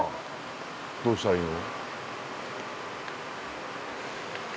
どうしたらいいの？